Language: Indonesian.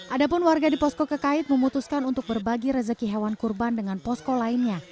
ada pun warga di posko kekait memutuskan untuk berbagi rezeki hewan kurban dengan posko lainnya